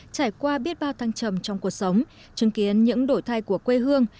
trải qua biết bao thăng trầm trong cuộc sống chứng kiến những đổi thay của quê hương